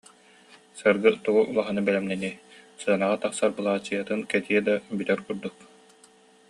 Саргы тугу улаханы бэлэмнэниэй, сценаҕа тахсар былаачыйатын кэтиэ да, бүтэр курдук